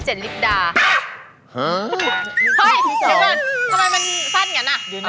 เฮ้ยเยอะก่อนทำไมมันสั้นเหมือนอ่ะ